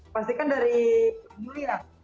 pasti kan dari dulu ya